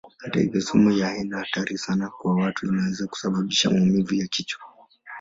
Hata hivyo sumu yao haina hatari sana kwa watu; inaweza kusababisha maumivu ya kichwa.